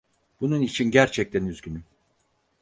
Bunun için gerçekten üzgünüm.